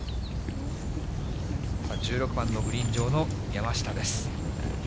１６番のグリーン上の山下です。